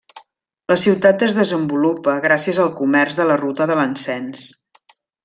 La ciutat es desenvolupa gràcies al comerç de la ruta de l'encens.